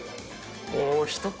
もう一声。